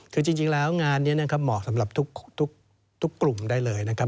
คือจริงแล้วงานนี้นะครับเหมาะสำหรับทุกกลุ่มได้เลยนะครับ